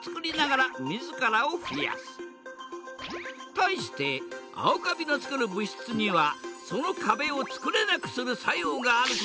対してアオカビのつくる物質にはその壁をつくれなくする作用があることが分かったのだ！